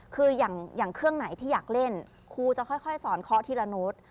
คืออย่างเครื่องไหนที่อยากเล่นครูจะค่อยสอนเคาะทีละโน้ต